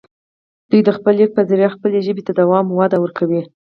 دوي دَ خپل ليک پۀ زريعه خپلې ژبې ته دوام او وده ورکوي